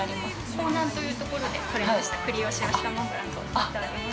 甲南というところで取れましたクリを使用したモンブランとなっております。